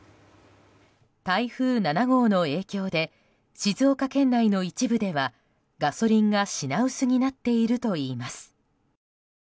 台風７号の影響で静岡県内の一部ではガソリンが品薄になっているといいます。